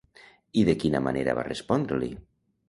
I de quina manera va respondre-li?